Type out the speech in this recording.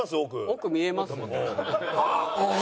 奥見えます？